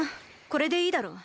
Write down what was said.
これでいいだろう？